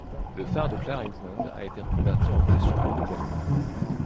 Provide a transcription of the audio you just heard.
Le phare de Clare Island a été reconverti en pension haut de gamme.